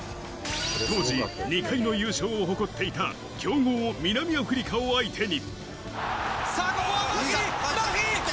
当時２回の優勝を誇っていた強豪・南アフリカを相手に。